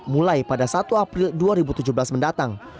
mulai pada satu april dua ribu tujuh belas mendatang